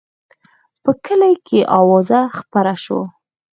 په کلي کې اوازه خپره شوه.